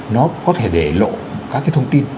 nó có thể để lộ các cái thông tin